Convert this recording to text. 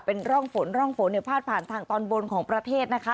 เป็นร่องฝนร่องฝนเนี่ยพาดผ่านทางตอนบนของประเทศนะคะ